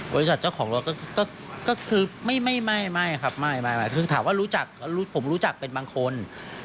บริษัทเจ้าของรถก็คือไม่ครับถามว่ารู้จักผมรู้จักเป็นบางคน